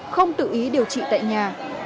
không tự ý điều trị tại nhà